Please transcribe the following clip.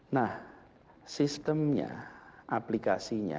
nah sistemnya aplikasinya